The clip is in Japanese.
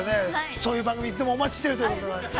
そういう番組は、いつでもお待ちしているということでね。